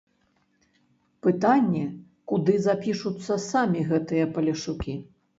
Пытанне, куды запішуцца самі гэтыя палешукі.